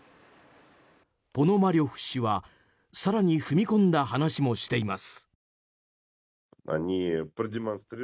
ポノマリョフ氏は更に踏み込んだ話もしています。